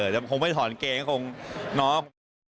แล้วผมไม่ถอดเกงคง